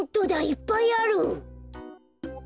いっぱいある！